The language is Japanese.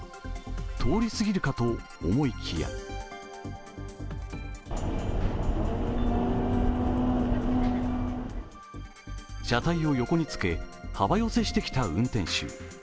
通りすぎるかと思いきや車体を横につけ幅寄せしてきた運転手。